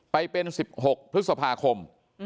ไปเป็น๑๖พฤษภาคม